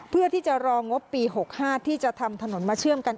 เพื่อที่จะรองบปี๖๕ที่จะทำถนนมาเชื่อมกัน